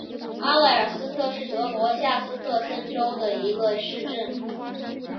阿莱尔斯特是德国下萨克森州的一个市镇。